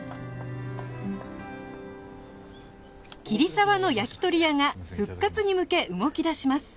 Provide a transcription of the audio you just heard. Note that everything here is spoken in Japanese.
桐沢の焼き鳥屋が復活に向け動き出します